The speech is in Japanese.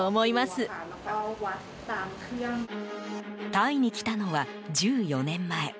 タイに来たのは１４年前。